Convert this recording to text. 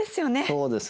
そうですね。